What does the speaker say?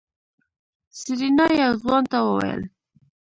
سېرېنا يو ځوان ته وويل.